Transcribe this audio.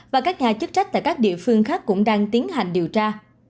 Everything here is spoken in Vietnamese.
và các nhà chức trách tại các địa phương khác cũng đang tiến hành điều tra